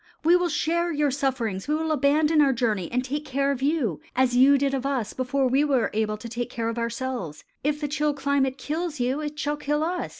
We will share your sufferings; we will abandon our journey and take care of you as you did of us before we were able to take care of ourselves. If the chill climate kills you, it shall kill us.